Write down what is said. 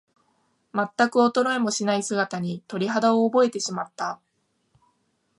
まったく衰えもしない姿に、鳥肌を覚えてしまった。